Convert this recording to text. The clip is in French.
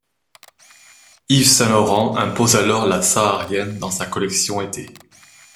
Yves Saint Laurent impose alors la saharienne dans sa collection été.